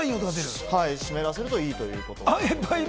湿らせるといいということ？